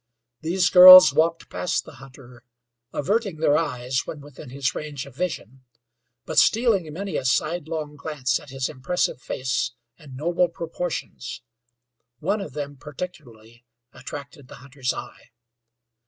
These girls walked past the hunter, averting their eyes when within his range of vision, but stealing many a sidelong glance at his impressive face and noble proportions. One of them, particularly, attracted the hunter's eye.